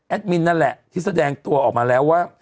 มินนั่นแหละที่แสดงตัวออกมาแล้วว่า